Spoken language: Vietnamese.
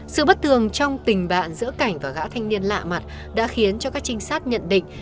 sự bất thường trong tình bạn giữa cảnh và gã thanh niên lạ mặt đã khiến cho các trinh sát nhận định